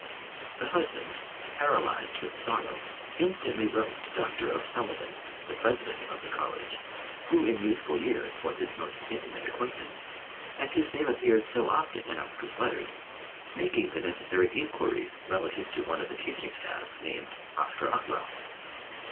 The husband, paralysed with sorrow, instantly wrote to Doctor O'Sullivan, the President of the College, who in youthful years was his most intimate acquaintance, and whose name appeared so often in Oscar's letters, making the necessary inquiries relative to one of the teaching staff named "Oscar Otwell."